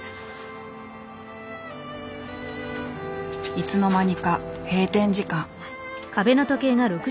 いつの間にか閉店時間。